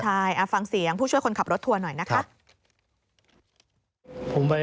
ใช่ฟังเสียงผู้ช่วยคนขับรถทัวร์หน่อยนะคะ